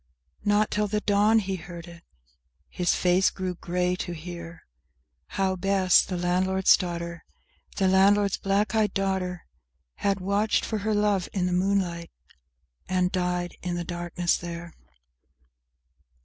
Not till the dawn he heard it, his face grew grey to hear How Bess, the landlord's daughter, The landlord's black eyed daughter, Had watched for her love in the moonlight, and died in the darkness there.